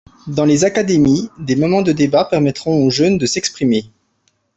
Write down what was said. Dans les académies, des moments de débat permettront aux jeunes de s’exprimer.